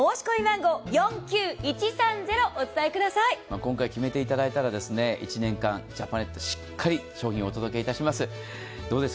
今回決めていただいたら１年間、ジャパネット、しっかり商品をお届けいたします。